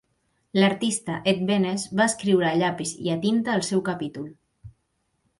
L'artista Ed Benes va escriure a llapis i a tinta el seu capítol.